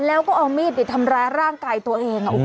แล้วก็เอามีดเดี๋ยวทำร้ายร่างกายตัวเองอะอืม